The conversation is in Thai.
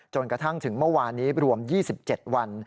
จนกระทั่งถึงเมื่อวานนี้รวม๒๗วัน